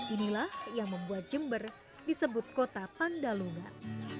inilah yang membuat jember disebut kota pandalungan